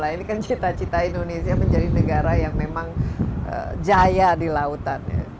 ini kan cita cita indonesia menjadi negara yang memang jaya di lautan